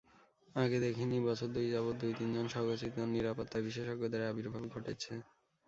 আগে দেখিনি, বছর দুই যাবৎ দুই-তিনজন স্বঘোষিত নিরাপত্তা বিশেষজ্ঞের আবির্ভাব ঘটেছে।